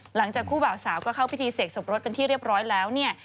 หลังจากคู่บ่าวสาวก็เข้าพิธีเสกสมรสเป็นที่เรียบร้อยแล้วเนี่ย